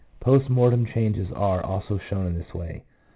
3 Post mortem changes are also shown in this way.